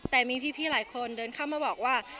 แต่มีพี่หลายคนเดินเข้ามาบอกว่า